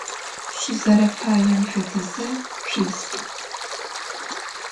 Şüzerefaêm fedize şsuis.